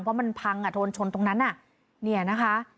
เพราะมันพังอ่ะโดนชนตรงนั้นเนี่ยนะคะ